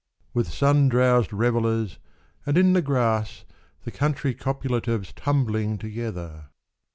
With sun drowsed revellers, and in the grass The country copulatives tumbling to gether